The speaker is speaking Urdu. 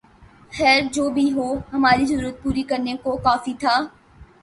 خیر جو بھی ہو ، ہماری ضرورت پوری کرنے کو کافی تھا